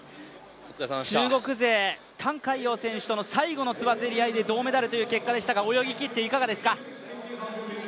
中国勢、覃海洋選手との最後のつばぜり合いで銅メダルという結果でしたが泳ぎきって、いかがですか？